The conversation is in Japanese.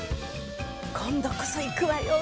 今度こそ行くわよ